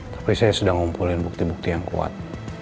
tapi saya sudah ngumpulin bukti bukti yang kuat